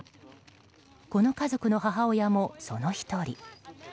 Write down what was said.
この家族の母親も、その１人。